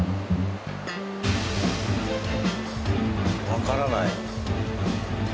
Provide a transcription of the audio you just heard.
わからない。